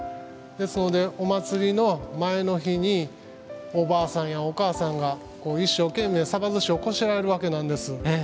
ですのでお祭りの前の日におばあさんやお母さんが一生懸命さばずしをこしらえるわけなんです。